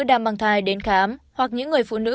đang mang thai đến khám hoặc những người phụ nữ